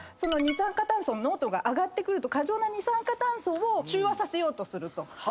二酸化炭素の濃度が上がると過剰な二酸化炭素を中和させようとすると。